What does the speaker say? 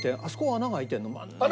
穴が開いてます。